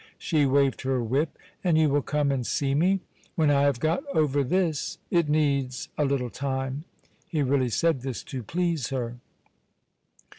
She waved her whip. "And you will come and see me?" "When I have got over this. It needs a little time." He really said this to please her.